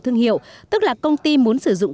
thương hiệu tức là công ty muốn sử dụng